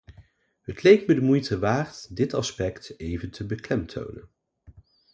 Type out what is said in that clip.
Het leek me de moeite waard dit aspect even te beklemtonen.